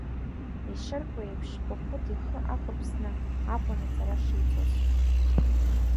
Ишырҳәо еиԥш, Хәыхәыт ихы ақәырԥсны акәын аҵара шиҵоз.